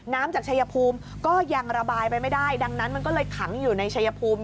น้ำจากชายภูมิก็ยังระบายไปไม่ได้ดังนั้นมันก็เลยขังอยู่ในชายภูมิ